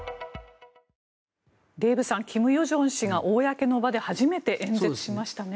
デーブさん、金与正氏が公の場で初めて演説しましたね。